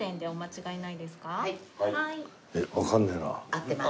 合ってます。